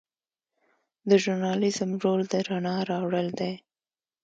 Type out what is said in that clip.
د ژورنالیزم رول د رڼا راوړل دي.